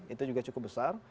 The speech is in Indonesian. itu juga cukup besar